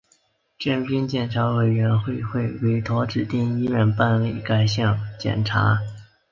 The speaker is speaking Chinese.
征兵检查委员会会委托指定医院办理该项检查。